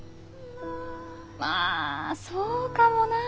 まあそうかもなあ。